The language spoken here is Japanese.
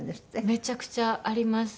めちゃくちゃあります。